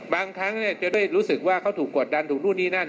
บางครั้งจะได้รู้สึกว่าเขาถูกกดดันถูกนู่นนี่นั่น